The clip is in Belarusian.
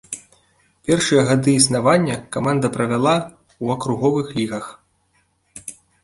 Першыя гады існавання каманда правяла ў акруговых лігах.